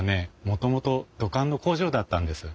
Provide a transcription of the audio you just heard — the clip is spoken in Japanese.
もともと土管の工場だったんです。